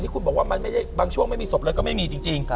ดูนกแสกก็ไม่มี